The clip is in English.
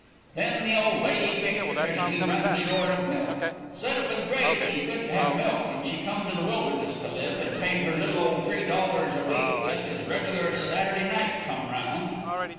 Then the old lady kicked because we run short of milk. Said it was great if she couldn't have milk when she come to the wilderness to live and paid her little old $3 a week just as regular as Saturday night come round.